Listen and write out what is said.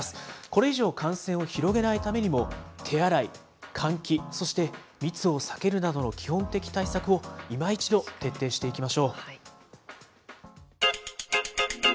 これ以上感染を広げないためにも、手洗い、換気、そして密を避けるなどの基本的対策をいま一度、徹底していきましょう。